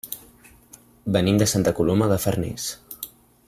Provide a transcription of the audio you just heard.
Venim de Santa Coloma de Farners.